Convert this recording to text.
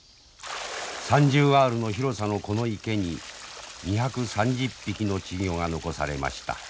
３０アールの広さのこの池に２３０匹の稚魚が残されました。